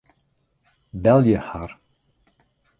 Belje har.